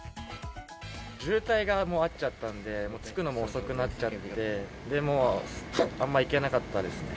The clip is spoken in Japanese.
渋滞があっちゃったんで、着くのも遅くなったんで、あんまり行けなかったですね。